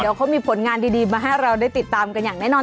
เดี๋ยวเขามีผลงานดีมาให้เราได้ติดตามกันอย่างแน่นอน